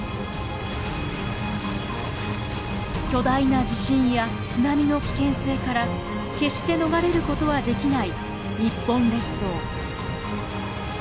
巨大な地震や津波の危険性から決して逃れることはできない日本列島。